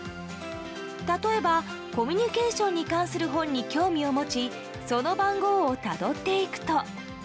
例えば、コミュニケーションに関する本に興味を持ちその番号をたどっていくと。